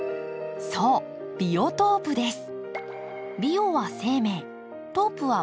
そうビオトープです。